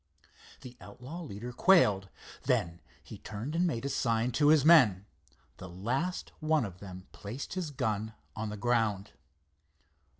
The outlaw leader quailed. Then he turned and made a sign to his men. The last one of them placed his gun on the ground.